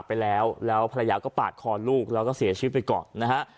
ไปแล้วแล้วภรรยาก็ปาดคอลูกแล้วก็เสียชีวิตไปก่อนนะฮะ